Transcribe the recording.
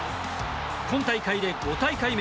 今大会で５大会目。